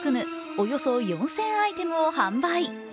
およそ４０００アイテムを販売。